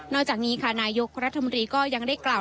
จากนี้ค่ะนายกรัฐมนตรีก็ยังได้กล่าว